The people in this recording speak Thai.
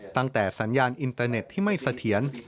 ตั้งแต่สัญญาณอินเตอร์เน็ตที่ไม่เสถียร